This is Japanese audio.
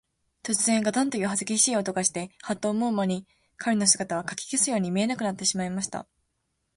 とつぜん、ガタンというはげしい音がして、ハッと思うまに、彼の姿は、かき消すように見えなくなってしまいました。